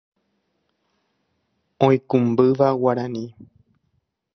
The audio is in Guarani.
oikũmbýva guarani